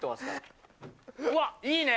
うわっ、いいね。